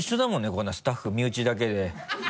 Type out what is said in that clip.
こんなスタッフ身内だけで。